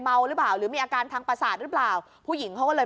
เมาหรือเปล่าหรือมีอาการทางประสาทหรือเปล่าผู้หญิงเขาก็เลย